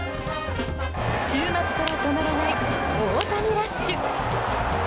週末から止まらない大谷ラッシュ！